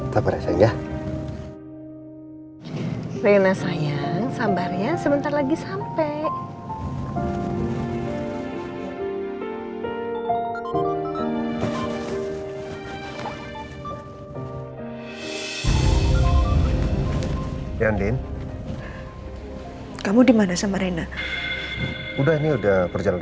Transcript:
terus wigiku semua untuk kamu